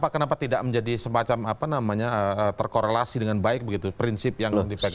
kenapa tidak menjadi semacam terkorelasi dengan baik begitu prinsip yang dipegangkan